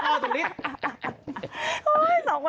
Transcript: สองคนนี้น่ารัก